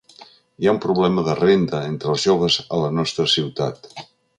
Hi ha un problema de renda entre els joves a la nostra ciutat.